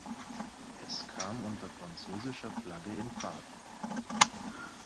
Es kam unter französischer Flagge in Fahrt.